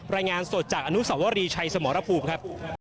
รายงานสดจากอนุสวรีชัยสมรภูมิครับ